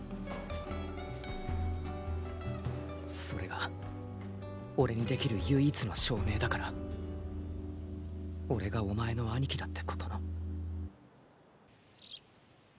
それが俺に出来る唯一の証明だから俺がお前の兄貴だってことの。